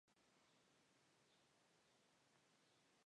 En Repertorio conoce a Jorge Alí Triana, director insigne de colombia.